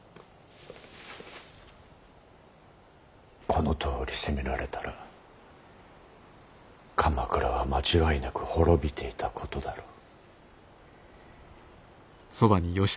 このとおり攻められたら鎌倉は間違いなく滅びていたことだろう。